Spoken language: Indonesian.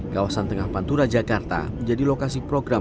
kawasan tengah pantura jakarta menjadi lokasi program